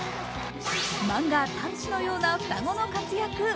漫画「タッチ」のような双子の活躍。